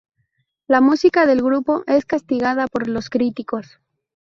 La música del grupo es castigada por los críticos.